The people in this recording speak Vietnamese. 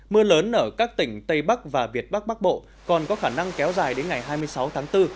mưa lớn ở các tỉnh tây bắc và việt bắc bắc bộ còn có khả năng kéo dài đến ngày hai mươi sáu tháng bốn